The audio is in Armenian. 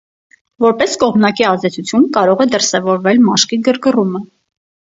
Որպես կողմնակի ազդեցություն կարող է դրսևորվել մաշկի գրգռումը։